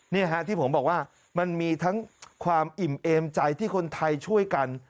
นี่ฮะที่ผมบอกว่ามันมีทั้งความอิ่มเอมใจที่คนไทยช่วยกัน